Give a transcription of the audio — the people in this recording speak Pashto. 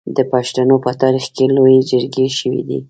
د پښتنو په تاریخ کې لویې جرګې شوي دي.